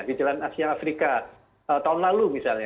di jalan asia afrika tahun lalu misalnya